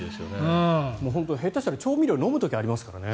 下手したら調味料、飲む時ありますからね。